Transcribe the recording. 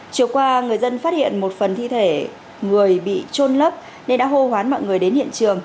chiều qua người dân phát hiện một phần thi thể người bị trôn lấp nên đã hô hoán mọi người đến hiện trường